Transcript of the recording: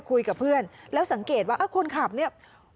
คุยกับเพื่อนแล้วสังเกตว่าคนขับเนี่ย